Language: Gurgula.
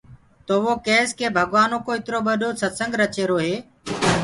تو وو ڪيس ڪي ڀگوآنو ڪو اِترو ٻڏو ستسنگ رچ رهيرو هي۔